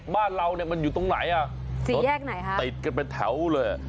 บ้านเราเนี่ยมันอยู่ตรงไหนอ่ะสี่แยกไหนคะติดกันเป็นแถวเลยอ่ะ